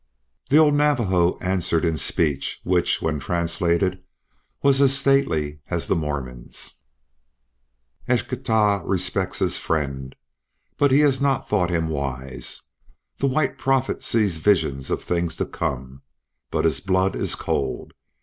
The old Navajo answered in speech which, when translated, was as stately as the Mormon's. "Eschtah respects his friend, but he has not thought him wise. The White Prophet sees visions of things to come, but his blood is cold.